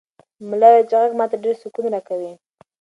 ملا وویل چې غږ ماته ډېر سکون راکوي.